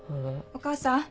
お母さん。